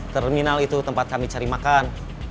terminal itu tempat kami cari makan